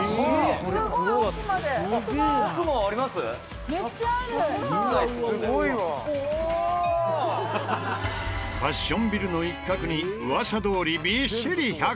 ファッションビルの一角に噂どおりびっしり１３０台！